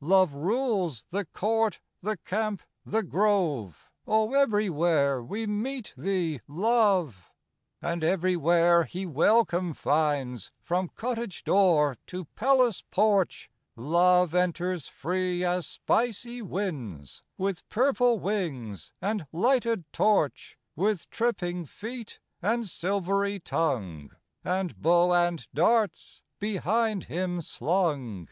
Love rules " the court, the camp, the grove " Oh, everywhere we meet thee, Love ! And everywhere he welcome finds, From cottage door to palace porch Love enters free as spicy winds, With purple wings and lighted torch, With tripping feet and silvery tongue, And bow and darts behind him slung.